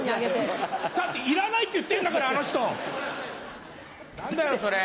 だっていらないって言ってんだからあの人何だよそれ。